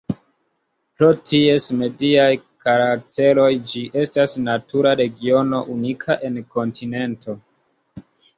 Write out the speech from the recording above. Pro ties mediaj karakteroj ĝi estas natura regiono unika en la kontinento.